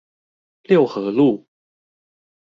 六合路